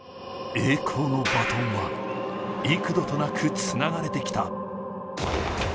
栄光のバトンは幾度となくつながれてきた。